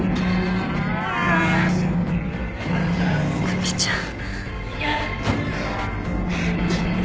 久美ちゃん。